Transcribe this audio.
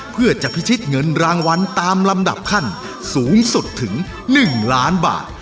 เพื่อจะพิชิตเงินรางวัลตามลำดับขั้นสูงสุดถึง๑ล้านบาท